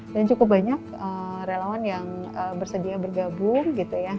dan cukup banyak relawan yang bersedia bergabung